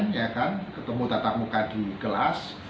bagi mereka yang offline ketemu tatap muka di kelas